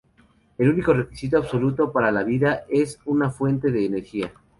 El único requisito absoluto para la vida es una fuente de energía.